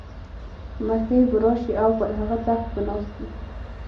مسیح به راشي او پر هغه تخت به ناست وي.